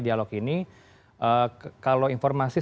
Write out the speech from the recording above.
dialog ini kalau informasi